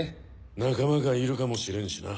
仲間がいるかもしれんしな。